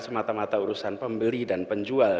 semata mata urusan pembeli dan penjual